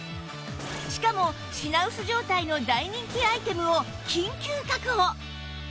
しかも品薄状態の大人気アイテムを緊急確保！